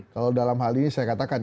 kalau dalam hal ini saya katakan